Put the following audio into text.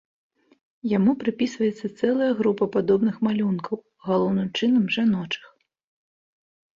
Яму прыпісваецца цэлая група падобных малюнкаў, галоўным чынам, жаночых.